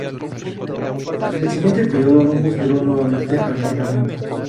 En el siguiente período, no postuló nuevamente al Parlamento.